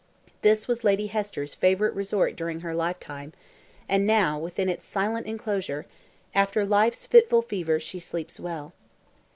This was Lady Hester's favourite resort during her lifetime; and now, within its silent enclosure, "After life's fitful fever she sleeps well."